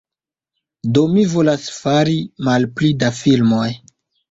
Do mi volas fari malpli da filmoj